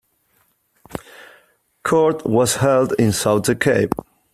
Court was held in Sauta Cave.